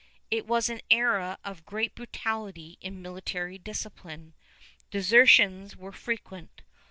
It was an era of great brutality in military discipline. Desertions were frequent.